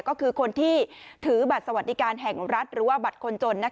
ก็คือคนที่ถือบัตรสวัสดิการแห่งรัฐหรือว่าบัตรคนจน